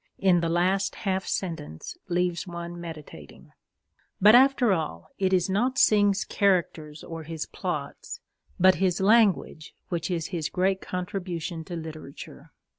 in the last half sentence leaves one meditating. But, after all, it is not Synge's characters or his plots, but his language, which is his great contribution to literature.